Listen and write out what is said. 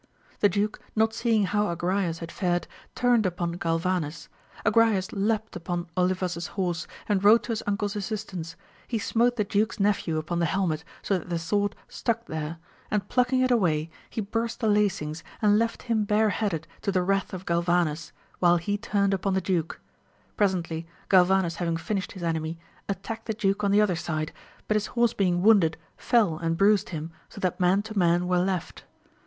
The duke not seeing how Agrayes had fared, turned upon Galvanes; Agrayes leaped upon Olivas's horse, and rode to his uncle^s assistance : he smote the duke's nephew upon the helmet, so that the sword stuck there ; and plucking it away, he burst the lacings, and left him bareheaded to the wrath of Galvanes, while he*tumed upon the duke. Presently Galvanes having finished his enemy, attacked the duke on the other side, but his horse being wounded fell and bruised him, so that man to man were left.